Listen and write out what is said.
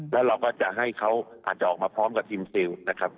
แล้วเราก็จะให้เขาอาจจะออกมาพร้อมกับทีมซิลนะครับ